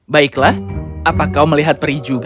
baiklah apa kau melihat peri juga